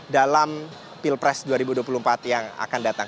dalam pilpres dua ribu dua puluh empat yang akan datang